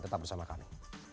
tetap bersama kami